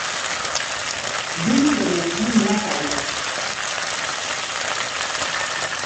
Gbíí ndɛŋgɛ nɛ́ nyiná kaoda.